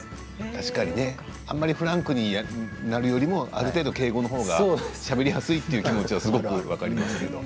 確かにあまりフランクになるよりもある程度、敬語のほうがしゃべりやすいという気持ちはすごく分かります。